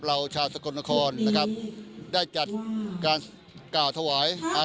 เราชาวสกลนครได้จัดการก่อถวายอะไร